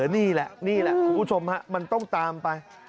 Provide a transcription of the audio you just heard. นี่แหละนี่แหละคุณผู้ชมฮะมันต้องตามไป